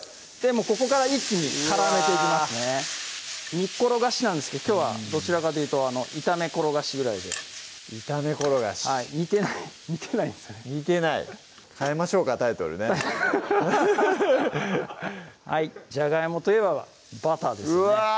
ここから一気に絡めていきますね「煮っころがし」なんですけどきょうはどちらかというと炒めころがしぐらいで炒めころがし煮てないですよね煮てない変えましょうかタイトルねじゃがいもといえばバターですよねうわ！